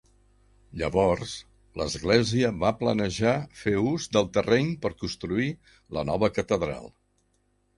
Llavors, l'església va planejar fer ús del terreny per construir la nova catedral.